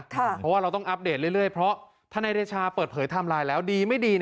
เพราะว่าเราต้องอัปเดตเรื่อยเพราะธนายเดชาเปิดเผยไทม์ไลน์แล้วดีไม่ดี